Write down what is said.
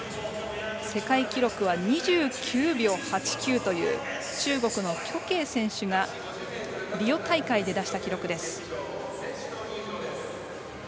世界記録は２９秒８９という中国の選手がリオ大会で出した記録です。